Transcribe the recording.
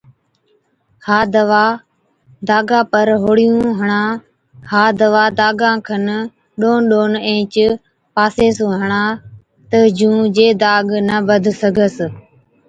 ها دَوا داگا پر هوڙيُون هڻا ها دَوا داگا کن ڏون ڏون اينچ پاسي سُون هڻا تہ جُون جي داگ نہ بڌ سِگھس۔